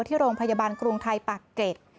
ที่โรงพยาบาลกรุงไทยปากเกร็ด